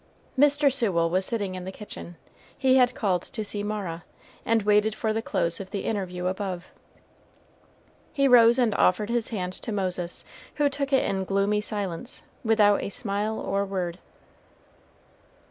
Mr. Sewell was sitting in the kitchen, he had called to see Mara, and waited for the close of the interview above. He rose and offered his hand to Moses, who took it in gloomy silence, without a smile or word.